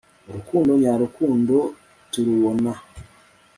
urukundo nyarukundo turubona